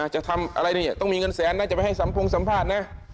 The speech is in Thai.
จะทำอะไรเนี่ยต้องมีเงินแสนนะจะไปให้สัมพงสัมภาษณ์นะ